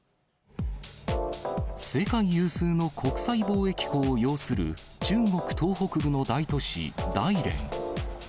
世界有数の国際貿易港を擁する中国東北部の大都市、大連。